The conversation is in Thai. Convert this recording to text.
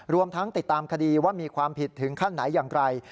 รวมทั้งติดตามคดีว่ามีความผิดถึงขั้นไหนอย่างไร